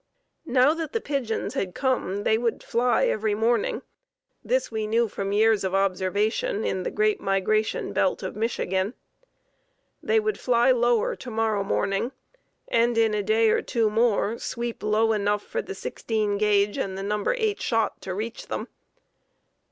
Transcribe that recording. Now that the pigeons had come they would "fly" every morning. This we knew from years of observation in the great migration belt of Michigan. They would fly lower to morrow morning, and in a day or two more sweep low enough for the sixteen gauge and the number eight shot to reach them.